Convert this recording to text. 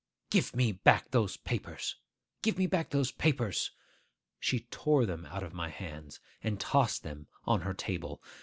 'Give me back those papers! give me back those papers!' She tore them out of my hands, and tossed them on her table.